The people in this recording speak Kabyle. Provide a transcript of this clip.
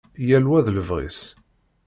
Yal wa d lebɣi-s.